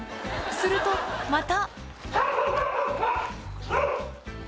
すると、また。